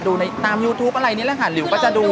ในตามยูทูปอะไรนี่แหละค่ะหลิวก็จะดู